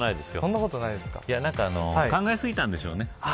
考えすぎたんでしょうね。